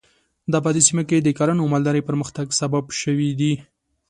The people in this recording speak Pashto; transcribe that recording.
دا په دې سیمه کې د کرنې او مالدارۍ پرمختګ سبب شوي دي.